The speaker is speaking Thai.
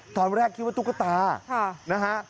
ตอนแรกคิดว่าตุ๊กตานะฮะ